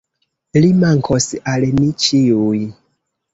Li mankos al ni ĉiuj.